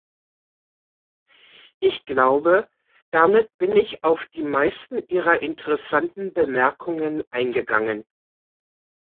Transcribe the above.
Ich glaube, damit bin ich auf die meisten Ihrer interessanten Bemerkungen eingegangen.